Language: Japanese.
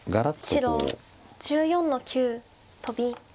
白１４の九トビ。